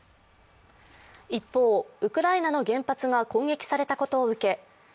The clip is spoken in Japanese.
一方、ウクライナの原発が攻撃されたことを受け